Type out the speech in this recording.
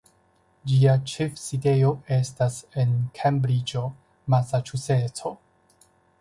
Ĝia ĉefsidejo estas en Kembriĝo (Masaĉuseco).